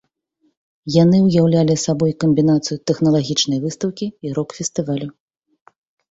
Яны ўяўлялі сабой камбінацыю тэхналагічнай выстаўкі і рок-фестывалю.